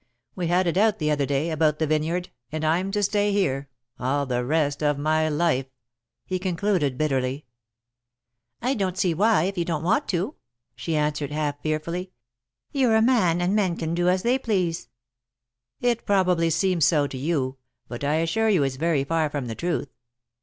We had it out the other day, about the vineyard, and I'm to stay here all the rest of my life," he concluded bitterly. "I don't see why, if you don't want to," she answered, half fearfully. "You're a man, and men can do as they please." "It probably seems so to you, but I assure you it's very far from the truth.